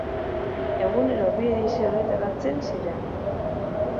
Egunero bi edizio argitaratzen ziren.